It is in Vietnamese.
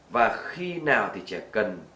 và khi nào thì trẻ cần